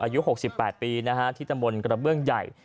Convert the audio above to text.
อายุ๖๘ปีนะฮะที่ตะมนต์กระเบื้องใหญ่